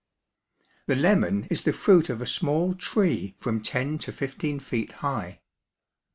The lemon is the fruit of a small tree from ten to fifteen feet high.